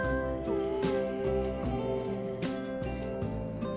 うん。